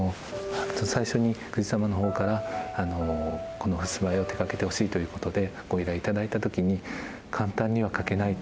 最初に宮司さまのほうからこのふすま絵を手がけてほしいということでご依頼頂いた時に簡単には描けないと思って。